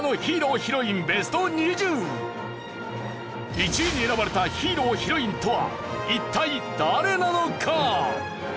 １位に選ばれたヒーロー＆ヒロインとは一体誰なのか？